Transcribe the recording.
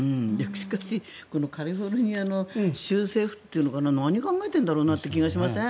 しかしこのカリフォルニアの州政府というのかな何考えてるんだろうなという気がしません？